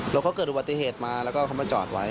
แล้วก็เกิดอุบัติเหตุมาแล้วก็มาจอดไว้